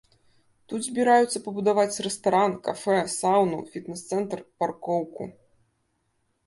Тут збіраюцца пабудаваць рэстаран, кафэ, саўну, фітнес-цэнтр, паркоўку.